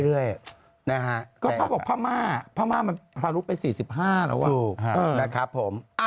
จริงก็ถ้าบอกพระม่าพระม่ามันสรุปไป๔๕เอ้ววะ